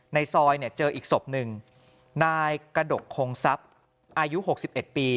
ในซอยเจออีกสบหนึ่งนายกระดกโคงซับอายุ๖๑ปี